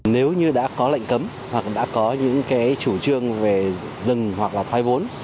nếu như đã có lệnh cấm hoặc đã có những chủ trương về dừng hoặc là thoái vốn